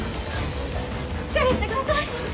しっかりしてください